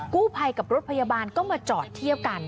กู้ภัยกับรถพยาบาลก็มาจอดเที่ยวกัน